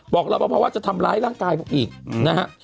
รับประพอว่าจะทำร้ายร่างกายอีกนะฮะ